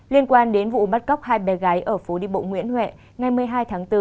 liên quan đến vụ bắt cóc hai bé gái ở phố đi bộ nguyễn huệ ngày một mươi hai tháng bốn